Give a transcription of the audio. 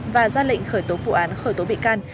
và ra lệnh khởi tố vụ án khởi tố bị can